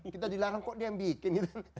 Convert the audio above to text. kita dilarang kok dia yang bikin gitu